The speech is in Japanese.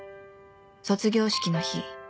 卒業式の日